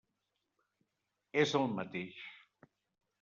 És el mateix.